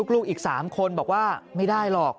ลูกอีก๓คนบอกว่าไม่ได้หรอก